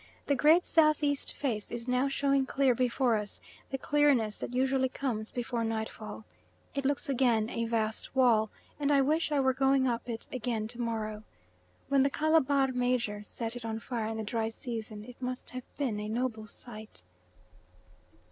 The great south east face is now showing clear before us, the clearness that usually comes before night fall. It looks again a vast wall, and I wish I were going up it again to morrow. When "the Calabar major" set it on fire in the dry season it must have been a noble sight.